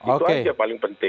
itu aja paling penting